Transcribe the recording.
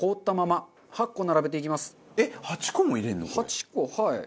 ８個はい。